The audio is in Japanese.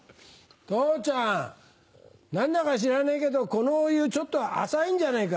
父ちゃん何だか知らねえけどこのお湯ちょっと浅いんじゃねえか？